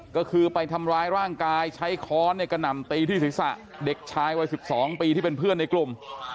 ก็คือไปทำร้ายร่างกายใช้ค้อนกระหน่ำตีที่ศีรษะเด็กชายวัย๑๒ปีที่เป็นเพื่อนในกลุ่ม